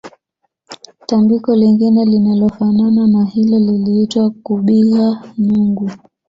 Tambiko lingine linalofanana na hilo liliitwa kubigha nyungu